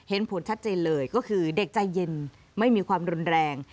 เห็นผลชัดเจนเลยก็คือเด็กใจเย็นไม่มีความรุนแรง